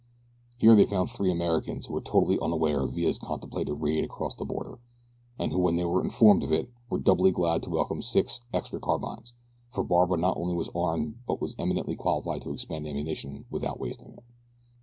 Here they found three Americans who were totally unaware of Villa's contemplated raid across the border, and who when they were informed of it were doubly glad to welcome six extra carbines, for Barbara not only was armed but was eminently qualified to expend ammunition without wasting it.